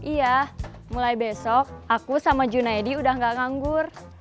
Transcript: iya mulai besok aku sama junaidi udah gak nganggur